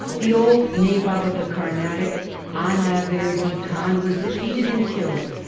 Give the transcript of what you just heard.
The old Nabob ^f the Carnatic, Anaverdi Khan, was defeated and killed.